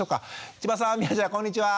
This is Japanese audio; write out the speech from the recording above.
千葉さんみあちゃんこんにちは！